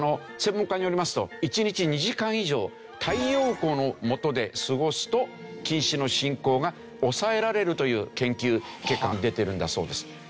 専門家によりますと１日２時間以上太陽光の下で過ごすと近視の進行が抑えられるという研究結果が出てるんだそうです。